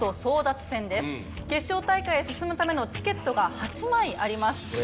決勝大会へ進むためのチケットが８枚あります。